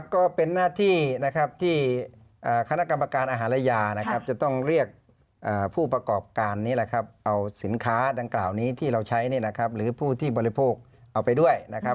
ก็เป็นหน้าที่ที่คณะกรรมการอาหารและยาจะต้องเรียกผู้ประกอบการนี้เอาสินค้าดังกล่าวนี้ที่เราใช้หรือผู้ที่บริโภคเอาไปด้วย